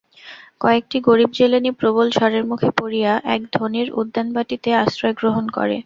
কয়েকটি গরীব জেলেনী প্রবল ঝড়ের মুখে পড়িয়া এক ধনীর উদ্যানবাটীতে আশ্রয় গ্রহণ করে।